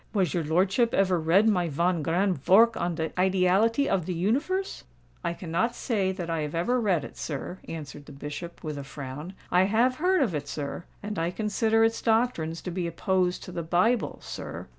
Was your lordship ever read my von grand vork on de 'Ideality of de Universe?'" "I cannot say that I have ever read it, sir," answered the Bishop, with a frown. "I have heard of it, sir—and I consider its doctrines to be opposed to the Bible, sir.